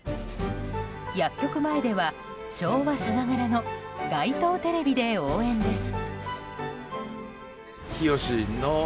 薬局前では昭和さながらの街頭テレビで応援です。